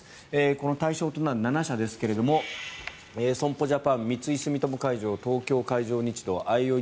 この対象となる７社ですが損保ジャパン、三井住友海上東京海上日動あいおい